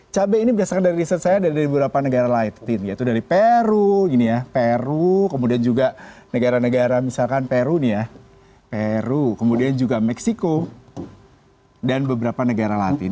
cabai ini biasanya dari beberapa negara lain yaitu dari peru kemudian juga negara negara misalkan peru kemudian juga meksiko dan beberapa negara latin